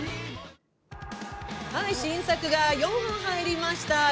新作が４本入りました。